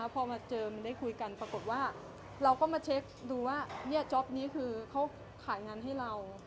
พอมาเจอมันได้คุยกันปรากฏว่าเราก็มาเช็คดูว่าจ๊อปนี้คือเขาขายงานให้เรา